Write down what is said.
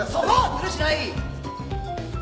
ずるしない！